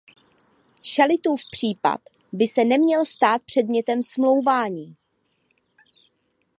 Šalitův případ by se neměl stát předmětem smlouvání.